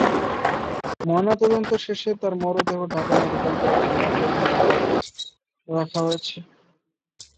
ময়নাতদন্ত শেষে তাঁর মরদেহ ঢাকা মেডিকেল কলেজ মর্গের হিমঘরে রাখা হয়।